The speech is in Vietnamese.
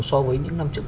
so với những năm trước